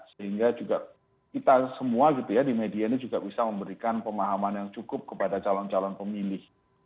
sehingga juga kita semua gitu ya di media ini juga bisa memberikan pemahaman yang cukup kepada calon calon pemilih